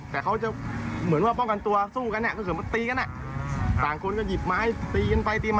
เพราะว่าตีกัน๒นาทีได้ถึง๒๓นาที